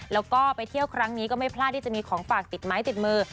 แล้วก็ไปเที่ยวครั้งนี้ก็ไม่พลาดที่จะมีของฝากติดไม้ติดมือ